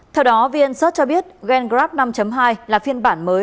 theo đó vnsource cho biết gengrab năm hai là phiên bản mới